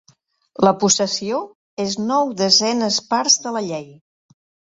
La possessió és nou desenes parts de la llei.